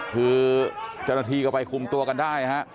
คือเจ้าหน้าที่ก็ไปคุมตัวกันได้ฮะ